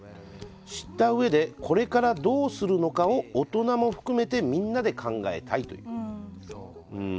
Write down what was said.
知ったうえでこれから、どうするのかを大人も含めてみんなで考えたい」。